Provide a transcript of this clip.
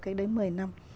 cách đấy một mươi năm